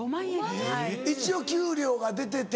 一応給料が出てて。